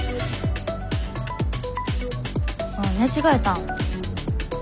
ああ寝違えたん？